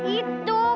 itu kaya gitu kan